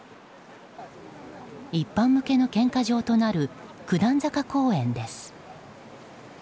一般向けの献花場となる九段坂公園です。